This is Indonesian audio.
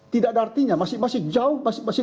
tidak ada artinya masih masih jauh